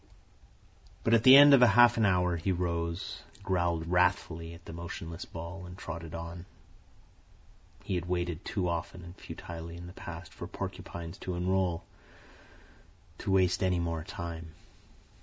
But at the end of half an hour he arose, growled wrathfully at the motionless ball, and trotted on. He had waited too often and futilely in the past for porcupines to unroll, to waste any more time.